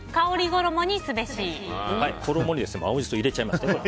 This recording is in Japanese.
衣に青ジソ入れちゃいました。